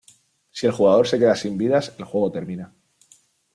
Si el jugador se queda sin vidas, el juego termina.